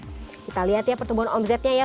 kita lihat ya pertumbuhan omzetnya ya